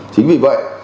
chính vì vậy